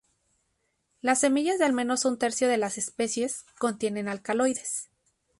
Las semillas de al menos un tercio de las especies contienen alcaloides.